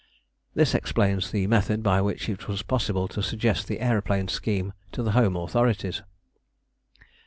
This explains the method by which it was possible to suggest the aeroplane scheme to the home authorities.